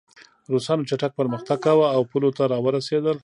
روسانو چټک پرمختګ کاوه او پولو ته راورسېدل